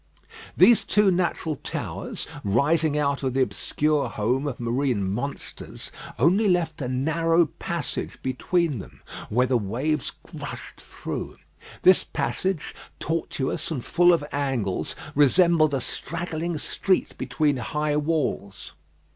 These two natural towers, rising out of the obscure home of marine monsters, only left a narrow passage between them, where the waves rushed through. This passage, tortuous and full of angles, resembled a straggling street between high walls.